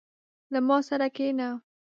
• له ما سره کښېنه.